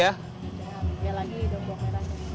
ya lagi doang bawang merah